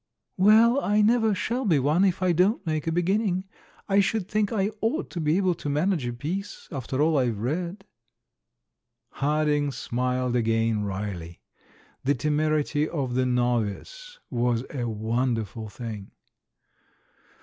"Well, I never shall be one if I don't make a beginning. I should think I ought to be able to manage a piece, after all I've read." 282 THE MAN WHO UNDERSTOOD WOMEN Harding smiled again, wryly. The temerity of the novice was a wonderful thing.